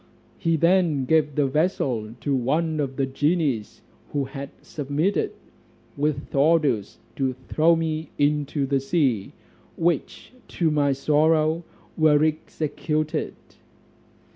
He then gave the vessel to one of the genies who had submitted, with orders to throw me into the sea, which to my sorrow were executed.